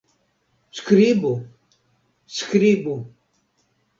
Skribu! Skribu!